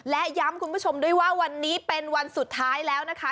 และย้ำคุณผู้ชมด้วยว่าวันนี้เป็นวันสุดท้ายแล้วนะคะ